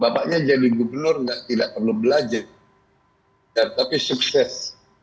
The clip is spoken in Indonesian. bapaknya jadi gubernur tidak perlu belajar tapi sukses